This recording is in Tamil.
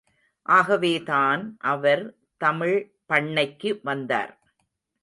ஆகவேதான் அவர் தமிழ்பண்ணைக்கு வந்தார்.